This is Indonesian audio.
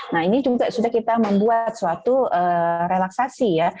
nah ini juga sudah kita membuat suatu relaksasi ya